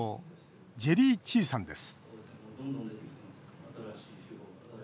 ジェリー・チーさんです。